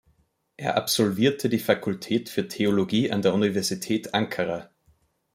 Er absolvierte die Fakultät für Theologie an der Universität Ankara.